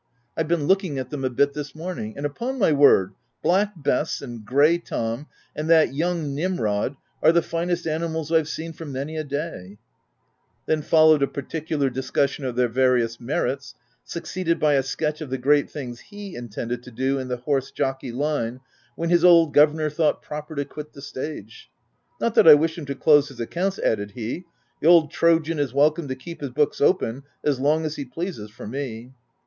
— Fve been looking at them a bit this morning ; and upon my word, Black Bess, and Grey Tom, and that young Nimrod are the finest animals Fve seen for many a day Y* Then followed a particular discussion of their various merits, succeeded by a sketch of the great things he intended to do in the horse jockey line when his old governor thought pro per to quit the stage —" Not that I wish him to close his accounts/ ' added he ;" the old trojan is welcome to keep his books open as long as he pleases forme."